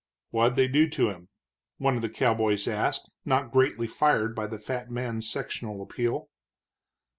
"What did they do to him?" one of the cowboys asked, not greatly fired by the fat man's sectional appeal.